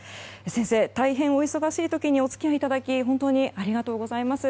先生、大変お忙しい時にお付き合いいただき本当にありがとうございます。